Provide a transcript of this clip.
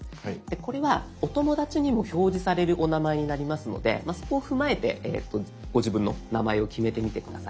これはお友だちにも表示されるお名前になりますのでそこを踏まえてご自分の名前を決めてみて下さい。